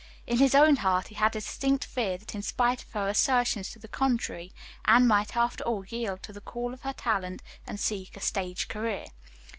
In his own heart he had a distinct fear that in spite of her assertions to the contrary, Anne might after all yield to the call of her talent and seek a stage career.